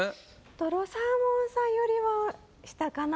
とろサーモンさんよりは下かな。